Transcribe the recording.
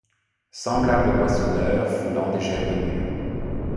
Semblable au moissonneur foulant des gerbes mûres